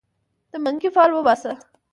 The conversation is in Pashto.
د منګې فال وباسه